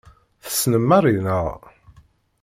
Tessnem Mary, naɣ?